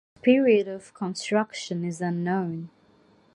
Its period of construction is unknown.